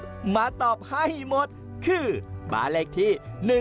ซึ่งทางเจ้าของคลิปมาตอบให้หมดคือบ้านเลขที่๑๗๙